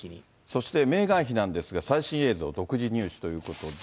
そしてメーガン妃なんですが、最新映像を独自入手ということで。